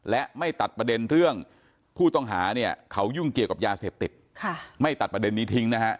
และไม่ตัดประเด็นเรื่องผู้ต้องหาเนี่ยเขายุ่งเกี่ยวกับยาเสพติดไม่ตัดประเด็นนี้ทิ้งนะฮะ